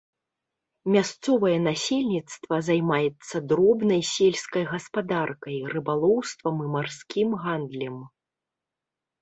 Мясцовае насельніцтва займаецца дробнай сельскай гаспадаркай, рыбалоўствам і марскім гандлем.